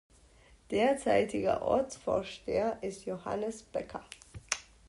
Derzeitiger Ortsvorsteher ist Johannes Becker.